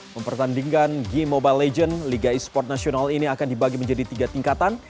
mempertandingkan g mobile legends liga e sport nasional ini akan dibagi menjadi tiga tingkatan